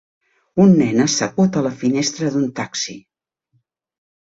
Un nen assegut a la finestra d'un taxi.